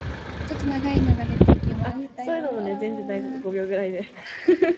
奇门中的八神，值符，腾蛇、太阴、六合、白虎、玄武、九地、九天